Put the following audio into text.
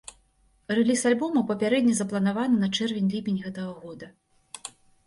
Рэліз альбома папярэдне запланаваны на чэрвень-ліпень гэтага года.